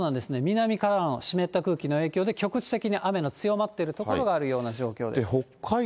南からの湿った空気の影響で、局地的に雨の強まっている所があるような状況です。